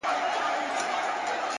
هره ورځ د ښه کېدو انتخاب شته!.